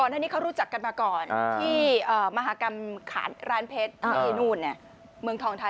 กรทัณฑ์นี้เขารู้จักกันมาก่อนที่มหากรรมขาดร้านเพชรมืองทองทัณฑ์นี้